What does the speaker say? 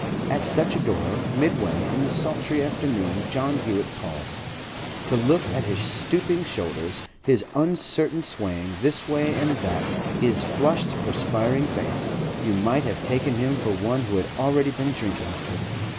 At such a door, midway in the sultry afternoon, John Hewett paused. To look at his stooping shoulders, his uncertain swaying this way and that, his flushed, perspiring face, you might have taken him for one who had already been drinking.